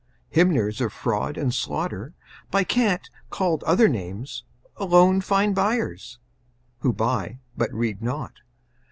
Hymners of fraud and slaughter, By cant called other names, alone find buyers Who buy, but read not.